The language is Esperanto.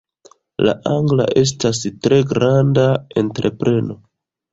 La angla estas tre granda entrepreno.